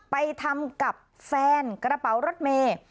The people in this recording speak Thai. ไปทำกับแฟนกระเป๋ารถเมย์